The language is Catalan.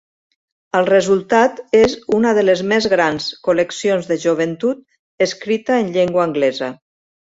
El resultat és una de les més grans col·leccions de joventut escrita en llengua anglesa.